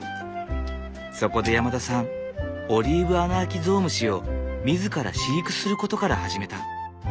そこで山田さんオリーブアナアキゾウムシを自ら飼育することから始めた。